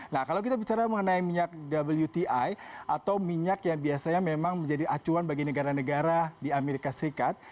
nah kalau kita bicara mengenai minyak wti atau minyak yang biasanya memang menjadi acuan bagi negara negara di amerika serikat